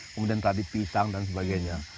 kemudian tadi pisang dan sebagainya